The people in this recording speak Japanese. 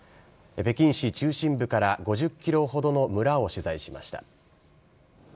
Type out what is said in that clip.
北京市中心部から５０キロほどの村を取材しました。